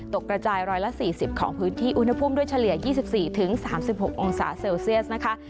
กระจาย๑๔๐ของพื้นที่อุณหภูมิด้วยเฉลี่ย๒๔๓๖องศาเซลเซียสนะคะ